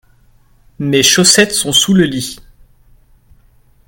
mes chaussettes sont sous le lit.